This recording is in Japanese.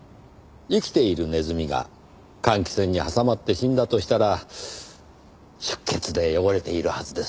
生きているネズミが換気扇に挟まって死んだとしたら出血で汚れているはずです。